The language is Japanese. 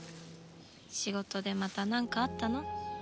仕事でまたなんかあったの？